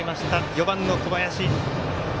４番の小林。